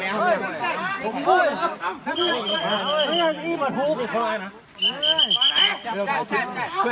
พ่อหนูเป็นใคร